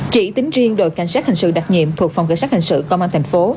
chỉ tính riêng đội cảnh sát hình sự đặc nhiệm thuộc phòng cảnh sát hình sự công an tp